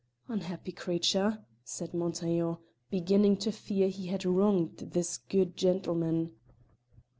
"Unhappy creature!" said Montaiglon, beginning to fear he had wronged this good gentleman.